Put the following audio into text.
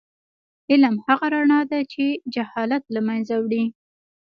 علم هغه رڼا ده چې جهالت له منځه وړي.